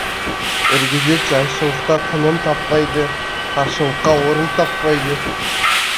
Үргедек жайшылықта тыным таппайды, таршылыққа орын таппайды.